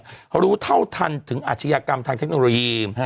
เขารู้เท่าทันถึงอาชญากรรมทางเทคโนโลยี